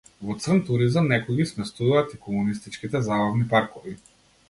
Во црн туризам некои ги сместуваат и комунистичките забавни паркови.